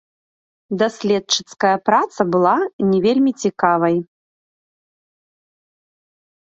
Даследчыцкая праца была не вельмі цікавай.